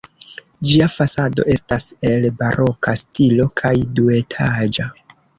Ĝia fasado estas el baroka stilo kaj duetaĝa.